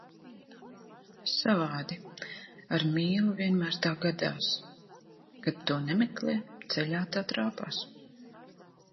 Savādi, ar mīlu vienmēr tā gadās, kad to nemeklē, ceļā tā trāpās.